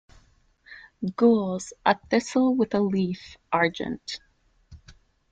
Gules, a thistle with a leaf Argent.